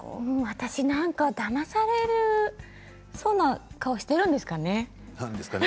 私、なんかだまされそうな顔しているんですかね。